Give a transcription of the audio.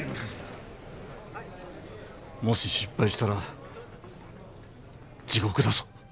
もし失敗したら地獄だぞ。